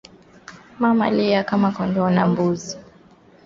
Mamalia kama kondoo na mbuzi wanaweza kuambukizwa ugonjwa wa kichaa cha mbwa